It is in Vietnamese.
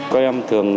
các em thường